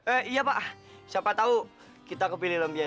eh iya pak siapa tahu kita kepilih lombiade pak